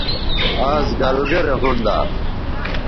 آز گَلگرے ھوندا